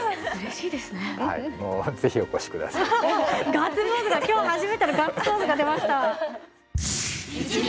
ガッツポーズが今日初めてのガッツポーズが出ました。